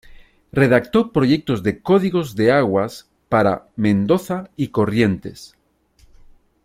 Redactó proyectos de códigos de aguas para Mendoza y Corrientes.